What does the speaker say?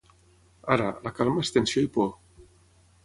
Ara, la calma és tensió i por.